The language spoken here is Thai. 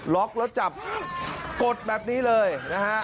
ล็อกแล้วจับกดแบบนี้เลยนะฮะ